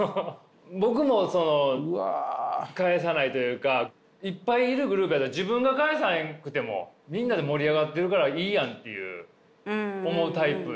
僕もその返さないというかいっぱいいるグループやったら自分が返さへんくてもみんなで盛り上がってるからいいやんっていう思うタイプやから。